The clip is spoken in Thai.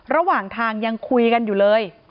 ระหว่างทางยังคุยกันอยู่เลย